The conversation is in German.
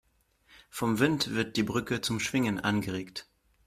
Vom Wind wird die Brücke zum Schwingen angeregt.